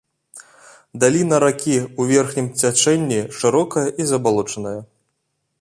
Даліна ракі ў верхнім цячэнні шырокая і забалочаная.